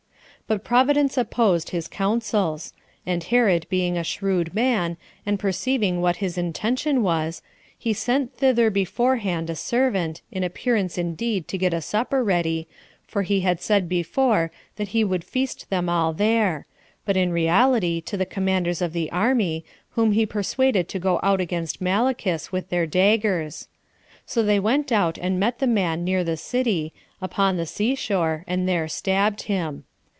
But Providence opposed his counsels; and Herod being a shrewd man, and perceiving what his intention was, he sent thither beforehand a servant, in appearance indeed to get a supper ready, for he had said before that he would feast them all there, but in reality to the commanders of the army, whom he persuaded to go out against Malichus, with their daggers. So they went out and met the man near the city, upon the sea shore, and there stabbed him.